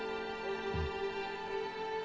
うん。